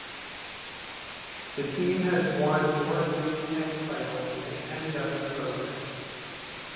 The team has won more Big Ten titles than any other program.